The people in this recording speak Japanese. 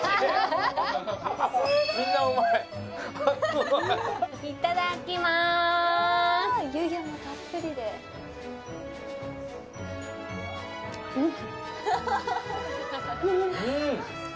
みんなうまいすごいいただきまーす湯気もたっぷりでうん！